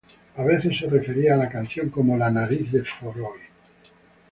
A veces se refería a la canción como "La nariz de Freud".